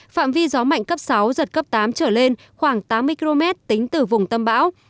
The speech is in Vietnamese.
phạm vi gió mạnh cấp sáu giật cấp tám trở lên khoảng tám mươi km tính từ vùng tâm bão